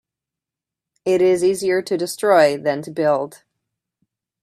It is easier to destroy than to build.